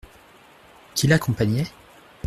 Qui l’accompagnait ?